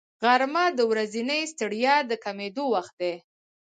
غرمه د ورځنۍ ستړیا د کمېدو وخت دی